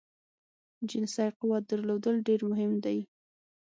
جنسی قوت درلودل ډیر مهم دی